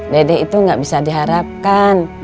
dede itu gak bisa diharapkan